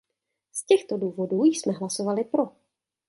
Z těchto důvodů jsme hlasovali pro.